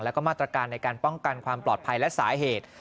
แล้วก็มาตรการในการป้องกันความปลอดภัยและสาเหตุ